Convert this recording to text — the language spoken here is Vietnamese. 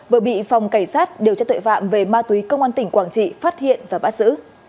vừa bị phòng cảnh sát điều tra tội phạm về ma túy công an tỉnh quảng trị phát hiện và bắt giữ